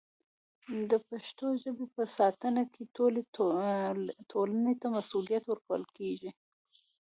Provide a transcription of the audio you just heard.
د پښتو ژبې په ساتنه کې ټولې ټولنې ته مسوولیت ورکول کېږي.